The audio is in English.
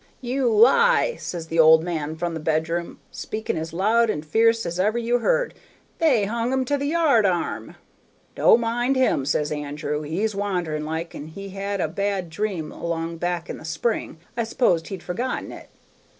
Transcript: "'You lie!' says the old man from the bedroom, speaking as loud and f'erce as ever you heard. 'They hung him to the yard arm!' "'Don't mind him,' says Andrew; 'he's wandering like, and he had a bad dream along back in the spring; I s'posed he'd forgotten it.'